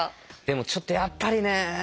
でもちょっとやっぱりね。